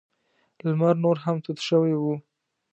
لمر نور هم تود شوی و.